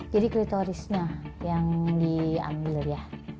jadi kriterisnya yang diambil ya